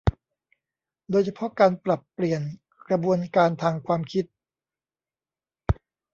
โดยเฉพาะการปรับเปลี่ยนกระบวนการทางความคิด